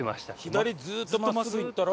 左ずーっと真っすぐ行ったら。